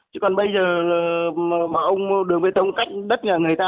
chứ còn bây giờ mà ông mua đường bê tông cách đất nhà người ta